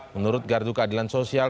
menurut gardu keadilan sosial